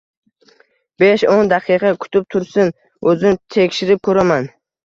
Besh o`n daqiqa kutib tursin, o`zim tekshirib ko`raman